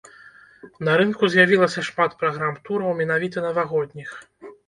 На рынку з'явілася шмат праграм-тураў менавіта навагодніх.